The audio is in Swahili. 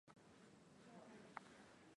walitofautisha kupitia sifa za wanachama wa kundi